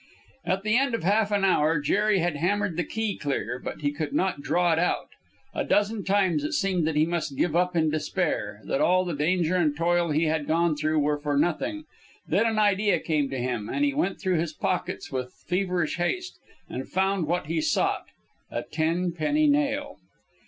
At the end of half an hour Jerry had hammered the key clear, but he could not draw it out. A dozen times it seemed that he must give up in despair, that all the danger and toil he had gone through were for nothing. Then an idea came to him, and he went through his pockets with feverish haste, and found what he sought a ten penny nail.